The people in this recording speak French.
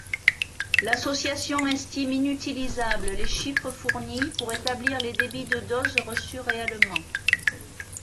L'association estime inutilisables les chiffres fournis pour établir les débits de doses reçus réellement.